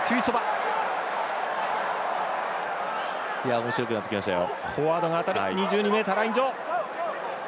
おもしろくなってきましたよ。